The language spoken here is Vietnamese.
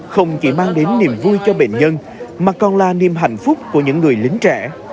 không chỉ mang đến niềm vui cho bệnh nhân mà còn là niềm hạnh phúc của những người lính trẻ